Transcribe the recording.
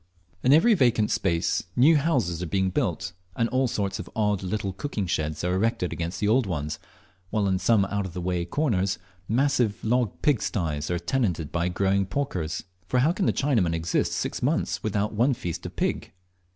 In every vacant space new houses are being built, and all sorts of odd little cooking sheds are erected against the old ones, while in some out of the way corners, massive log pigsties are tenanted by growing porkers; for how can the Chinamen exist six months without one feast of pig?